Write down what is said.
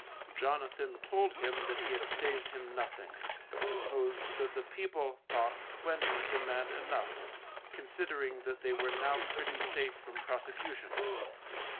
Jonathan told him that he had saved him nothing, but supposed that the people thought twenty demand enough, considering that they were now pretty safe from prosecution.